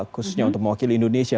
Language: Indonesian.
khususnya untuk mewakili indonesia